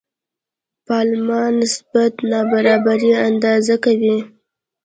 پالما نسبت نابرابري اندازه کوي.